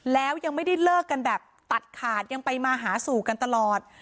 แล้วยังไม่ได้เลิกกันแบบตัดขาดยังไปมาหาสู่กันตลอด